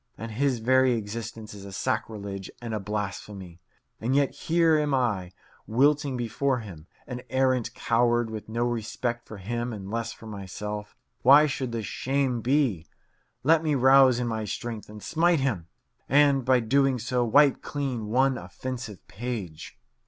and his very existence is a sacrilege and a blasphemy. And yet here am I, wilting before him, an arrant coward, with no respect for him and less for myself. Why should this shame be? Let me rouse in my strength and smite him, and, by so doing, wipe clean one offensive page.